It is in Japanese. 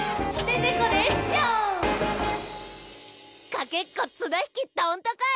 かけっこつなひきどんとこい！